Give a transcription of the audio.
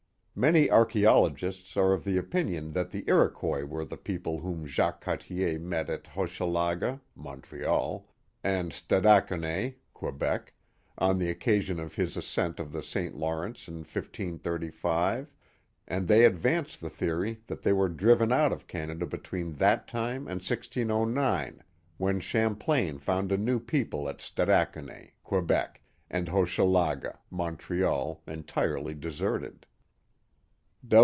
Many archaeologists are of the opinion that the Iroquois were the people whom Jacques Cartier met at Hochelaga (Montreal) and Stadacone (Quebec) on the occasion of his ascent of the St. Lawrence in 1535, and they advance the theory that they were driven out of Canada between that time and 1609, when Champlain found a new people at Stadacone (Quebec) and Hochelaga (Montreal) entirely deserted.